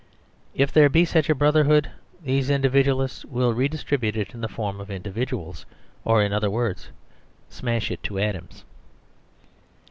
If there be such a brotherhood, these individualists 88 The Superstition of Divorce will redistribute it in the form of individuals ; or in other words smash it to atoms.